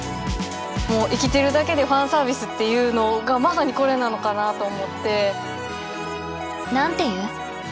もう生きてるだけでファンサービスっていうのがまさにこれなのかなと思って。